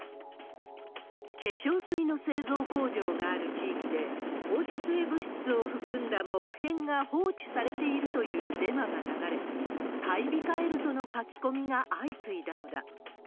化粧水の製造工場がある地域で、放射性物質を含んだ木片が放置されているというデマが流れ、買い控えるとの書き込みが相次いだのだ。